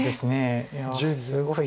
いやすごいです